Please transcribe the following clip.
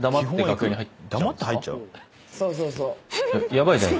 「ヤバいじゃない。